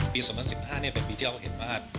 ปี๒๐๑๕เป็นปีที่เราก็เห็นมาก